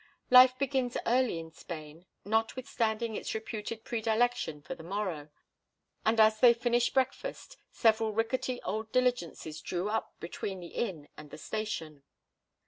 Life begins early in Spain, notwithstanding its reputed predilection for the morrow, and as they finished breakfast several rickety old diligences drew up between the inn and the station.